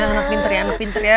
anak pintar ya anak pintar ya